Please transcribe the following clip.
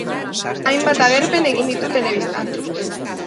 Hainbat agerpen egin ditu telebistan.